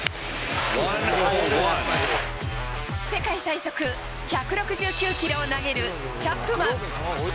世界最速１６９キロを投げるチャップマン。